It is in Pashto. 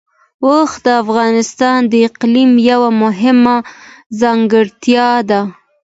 اوښ د افغانستان د اقلیم یوه مهمه ځانګړتیا ده.